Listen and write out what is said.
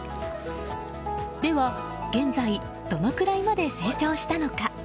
では現在どのくらいまで成長したのか？